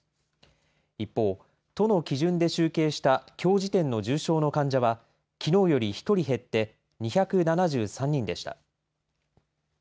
一方、都の基準で集計したきょう時点の重症の患者はきのうより１人減って、２７３人でした。